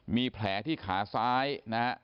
มีแผลที่ขาซ้ายนะฮะ